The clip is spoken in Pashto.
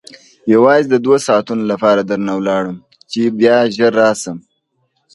یوازې د دوو ساعتو لپاره درنه ولاړم چې بیا به ژر راشم.